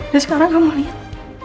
dan sekarang kamu liat